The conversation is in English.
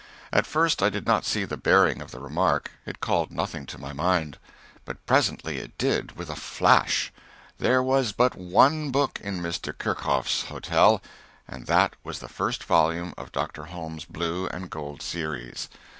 At first I did not see the bearing of the remark, it called nothing to my mind. But presently it did with a flash! There was but one book in Mr. Kirchhof's hotel, and that was the first volume of Dr. Holmes's blue and gold series.